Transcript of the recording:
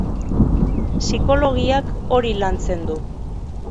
Psikologiak hori lantzen du.